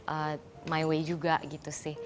a my way juga gitu sih